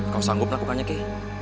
kau sanggup melakukannya ki